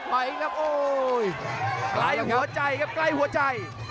ไหลหัวใจครับใกล้หัวใจ